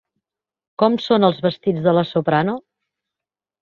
Com són els vestits de la soprano?